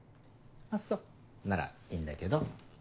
あっそならいいんだけど。